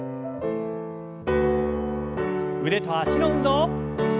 腕と脚の運動。